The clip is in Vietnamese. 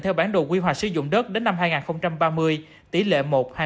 theo bản đồ quy hoạch sử dụng đất đến năm hai nghìn ba mươi tỷ lệ một hai mươi năm